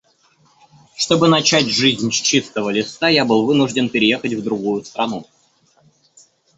Чтобы начать жизнь с чистого листа, я был вынужден переехать в другую страну.